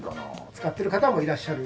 使ってる方もいらっしゃる。